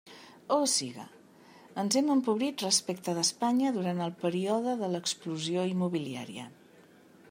O siga, ens hem empobrit respecte d'Espanya durant el període de l'explosió immobiliària.